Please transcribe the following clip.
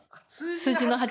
数字の８。